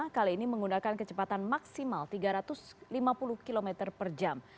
kali ini menggunakan kecepatan maksimal tiga ratus lima puluh km per jam